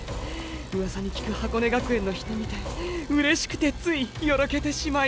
ウワサにきく箱根学園の人見てうれしくてついよろけてしまいましたァ。